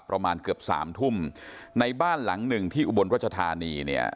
ประมาณเกือบทุ่มในบ้านหลังหนึ่งที่อุบลราชธานี